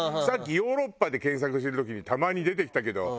さっき「ヨーロッパ」で検索してる時にたまに出てきたけど。